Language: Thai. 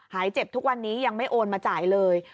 หายเจ็บทุกวันนี้ยังไม่โอนมาจ่ายเลย